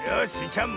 ちゃん